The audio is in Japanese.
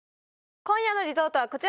今夜のリゾートはこちら！